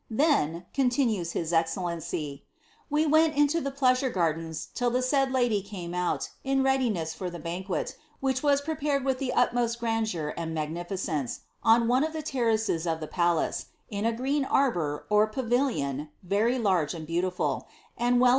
"■ Then," continue his excellency, ^ we went into the pleasure gardens, till the said lady came out, in readiness for the banquet, whicli was prepared with ihe utmost grandeur and magnificence, on one of the terraces of the palaM, in a green arbour, or a pavilion, very large and beautiful, and nfH 'J)«p6cbvf de la MotUe Feoeton. 'Ibid., vol. t., p IC— !^. BLIZABBTH.